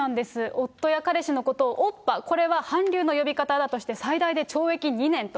夫や彼氏のことをオッパ、これは韓流の呼び方だとして、最大で懲役２年と。